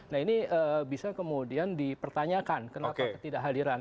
nah ini bisa kemudian dipertanyakan kenapa ketidakhadiran